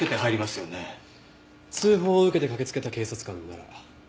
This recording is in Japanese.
通報を受けて駆けつけた警察官なら。